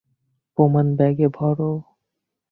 প্রমাণ ব্যাগে ভরো।